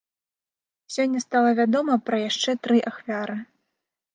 Сёння стала вядома пра яшчэ тры ахвяры.